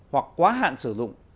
hoặc quá hạn sử dụng